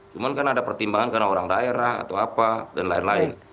cuma kan ada pertimbangan karena orang daerah atau apa dan lain lain